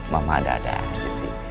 mama ada adaan gitu sih